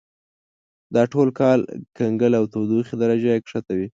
دا ټول کال کنګل او تودوخې درجه یې کښته وي.